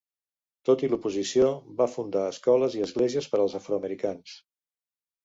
Tot i l'oposició, va fundar escoles i esglésies per als afroamericans.